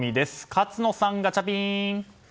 勝野さん、ガチャピン！